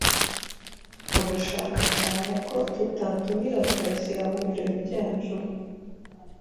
Urashaka cyane ko tutatumira karasira mubirori byacu?